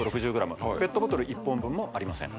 ペットボトル１本分もありません